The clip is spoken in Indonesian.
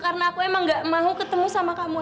karena aku emang gak mau ketemu sama kamu lagi sat